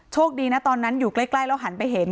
ดีนะตอนนั้นอยู่ใกล้แล้วหันไปเห็น